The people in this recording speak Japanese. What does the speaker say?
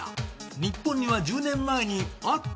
日本には１０年前にあった？